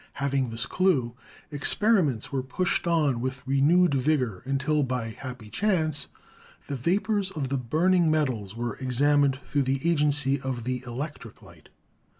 Having this clue, experiments were pushed on with renewed vigor, until, by happy chance, the vapors of the burning metals were ex amined through the agency of the electric light.